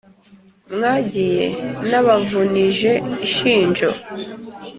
Mwagiye nabavunije ishinjo